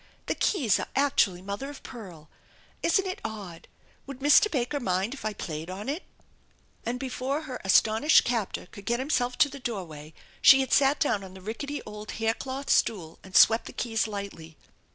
The keys are actually mother of pearl. Isn't it odd? Would Mr. Baker mind if I played on it ?" And before her astonished captor could get himself to the doorway she had sat down on the rickety old hair cloth stool and swept the keys lightly.